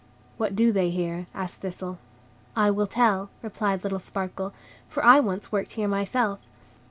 "What do they here?" asked Thistle. "I will tell," replied little Sparkle, "for I once worked here myself.